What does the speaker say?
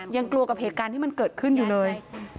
ยังกลัวกับเหตุการณ์ที่มันเกิดขึ้นอยู่เลย